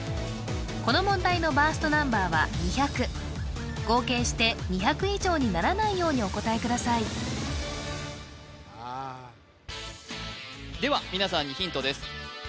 この問題のバーストナンバーは２００合計して２００以上にならないようにお答えくださいでは皆さんにヒントです